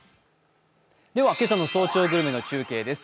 今朝の「早朝グルメ」の中継です。